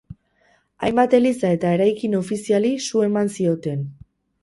Hainbat eliza eta eraikin ofiziali su eman zioten.